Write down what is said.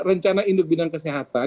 rencana induk bidang kesehatan